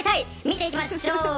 見ていきましょう。